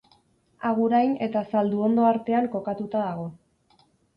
Agurain eta Zalduondo artean kokatuta dago.